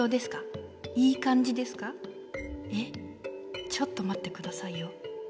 えっちょっと待ってくださいよ。